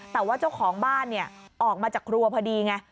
แต่ว่าเจ้าของบ้านออกมาจากครัวพอดีไง